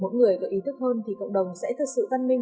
mỗi người có ý thức hơn thì cộng đồng sẽ thật sự văn minh